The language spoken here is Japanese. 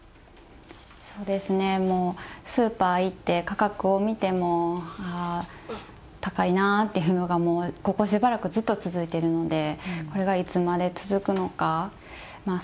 スーパー行って価格を見ても、ああ高いなっていうのがここしばらくずっと続いているのでそれがいつまで続くのか。